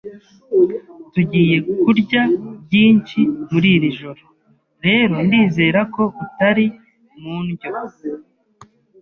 Tugiye kurya byinshi muri iri joro rero ndizera ko utari mu ndyo.